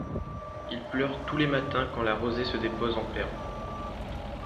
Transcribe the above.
Il pleure tous les matins quand la rosée se dépose en perles.